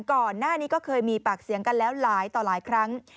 ก่อนหน้านี้ก็เคยมีปากเสียงกันแล้วหลายต่อหลายครั้ง